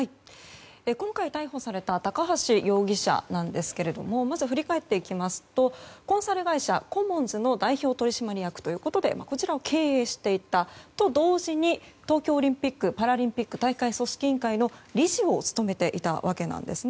今回逮捕された高橋容疑者なんですけれどもまず振り返っていきますとコンサル会社コモンズの代表取締役ということでこちらを経営していたと同時に東京オリンピック・パラリンピック大会組織委員会の理事を務めていたわけなんです。